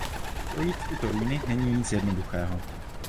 Projít tyto ruiny není nic jednoduchého.